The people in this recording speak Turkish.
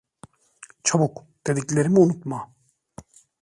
Çabuk, dediklerimi unutma.